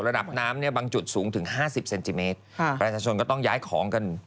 ระดับน้ำเนี่ยบางจุดสูงถึงห้าสิบเซนติเมตรค่ะประชาชนก็ต้องย้ายของกัน